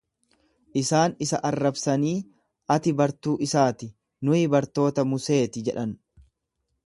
Isaan isa arrabsanii, Ati bartuu isaa ti, nuyi bartoota Musee ti jedhan.